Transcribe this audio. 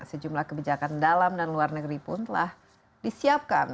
sejumlah kebijakan dalam dan luar negeri pun telah disiapkan